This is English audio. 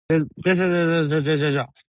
This is the one in charge of making decisions.